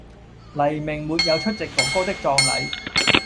黎明沒有出席“哥哥”的葬禮